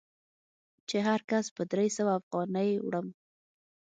چې هر کس په درې سوه افغانۍ وړم.